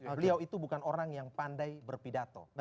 beliau itu bukan orang yang pandai berpidato